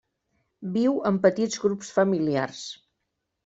Viu en petits grups familiars.